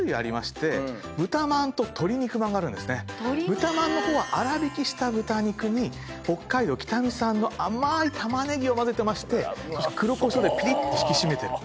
豚まんの方は粗びきした豚肉に北海道北見産の甘ーいタマネギを交ぜてまして黒胡椒でピリッと引き締めてる。